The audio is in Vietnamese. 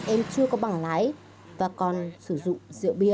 em chưa có bảng lái và còn sử dụng rượu bia